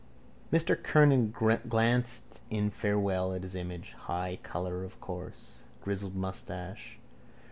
Mr Kernan glanced in farewell at his image. High colour, of course. Grizzled moustache.